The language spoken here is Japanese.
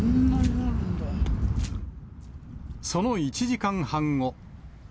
その１時間半後。